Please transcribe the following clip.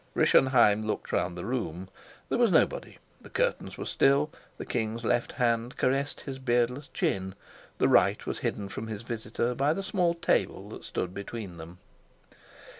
Rischenheim looked round the room. There was nobody; the curtains were still; the king's left hand caressed his beardless chin; the right was hidden from his visitor by the small table that stood between them.